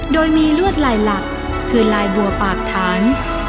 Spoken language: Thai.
โดยมีลวดลายหลักคือลายบัวปากฐาน